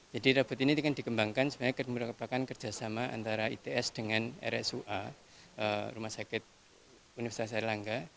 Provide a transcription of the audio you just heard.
jadi robot ini akan dikembangkan sebagai kemerdekaan kerjasama antara its dengan rsua rumah sakit universitas air langga